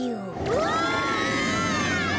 うわ！